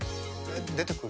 出てくる？